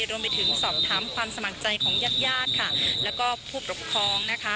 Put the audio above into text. รวมไปถึงสอบถามความสมัครใจของญาติญาติค่ะแล้วก็ผู้ปกครองนะคะ